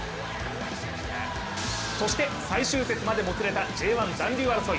そして、最終節までもつれたＪ１残留争い。